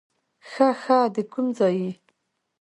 ښه ښه، د کوم ځای یې؟